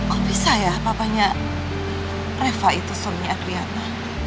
oh bisa ya papanya reva itu soalnya riana